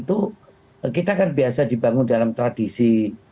tadi yang saya sampaikan itu kita kan biasa dibangun dalam tradisi